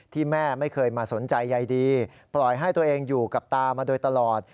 ที่แม่ไม่เคยมาสนใจใยดีปล่อยให้ตัวเองอยู่กับตามาโดยตลอด